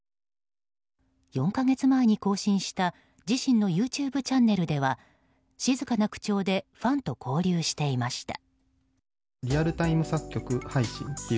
４か月前に更新した、自身のＹｏｕＴｕｂｅチャンネルでは静かな口調でファンと交流していました。